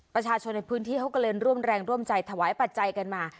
ประชาชนในพื้นที่เขาก็เลยร่วมแรงร่วมใจถวายปัจจัยกันมา